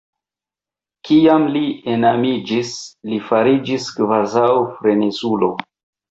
Kiam li enamiĝis, li fariĝis kvazaŭ frenezulo.